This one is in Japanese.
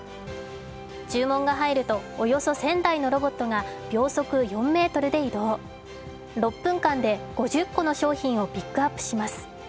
注文が入ると、およそ１０００台のロボットが秒速４ｍで移動、６分間で５０個の商品をピックアップします。